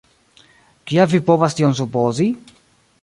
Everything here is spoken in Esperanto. kial vi povas tion supozi?